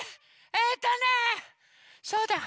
えとねそうだ！